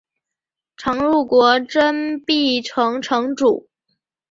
常陆国真壁城城主。